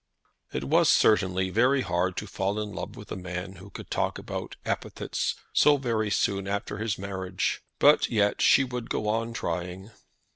It was certainly very hard to fall in love with a man who could talk about epithets so very soon after his marriage; but yet she would go on trying.